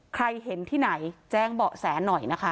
ใครเห็นที่ไหนแจ้งเบาะแสหน่อยนะคะ